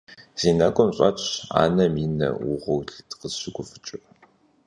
Си нэгум щӀэтщ анэм и нэ угъурлитӀ къысщыгуфӀыкӀыр.